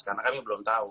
karena kami belum tahu